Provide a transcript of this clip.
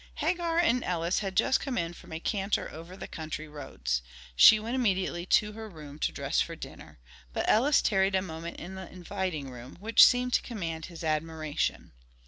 Hagar and Ellis had just come in from a canter over the country roads; she went immediately to her room to dress for dinner, but Ellis tarried a moment in the inviting room which seemed to command his admiration.